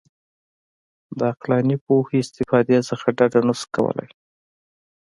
د عقلاني پوهو استفادې څخه ډډه نه شو کولای.